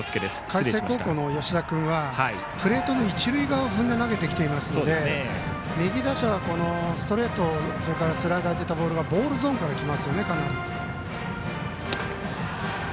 海星高校の吉田君はプレートの一塁側を踏んで投げてきていますので右打者にはストレートスライダーといったボールはボールゾーンから来ますよね。